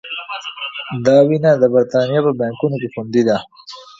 دا وینه د بریتانیا په بانکونو کې خوندي ده.